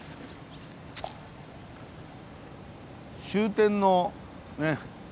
終点のね